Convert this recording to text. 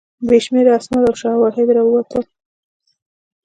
بې شمېره اسناد او شواهد راووتل.